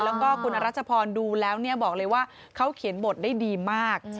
แล้วก็คุณอรัชพรดูแล้วบอกเลยว่าเขาเขียนบทได้ดีมาก